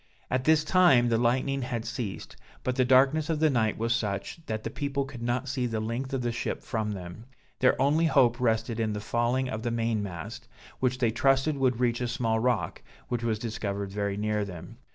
At this time the lightning had ceased, but the darkness of the night was such, that the people could not see the length of the ship from them; their only hope rested in the falling of the main mast, which they trusted would reach a small rock, which was discovered very near them.